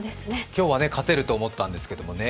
今日は勝てると思ったんですけどもね。